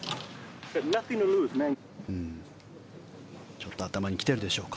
ちょっと頭にきてるでしょうか。